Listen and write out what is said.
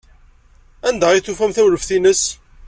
Anda ay tufam tawlaft-nnes?